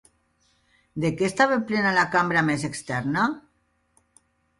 De què estava plena la cambra més externa?